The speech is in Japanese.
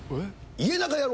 家中野郎。